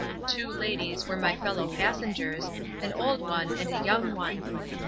Two ladies were my fellow passengers, an old one and a young one.